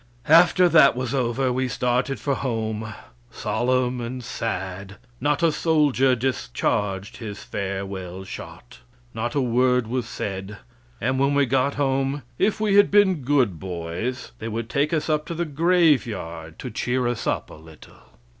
After that was over we started for home, solemn and sad "not a soldier discharged his farewell shot;" not a word was said and when we got home, if we had been good boys, they would take us up to the graveyard to cheer us up a little.